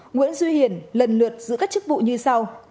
nguyễn duy hiển lần lượt giữ các chức vụ như sau